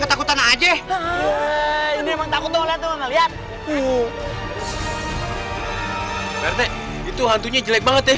speak cowoknya jelek banget deh